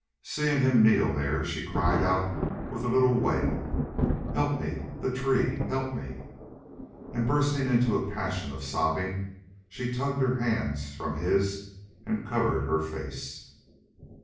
Seeing him kneel there, she cried out with a little wail: "Help me the tree help me!" And, bursting into a passion of sobbing, she tugged her hands from his and covered her face.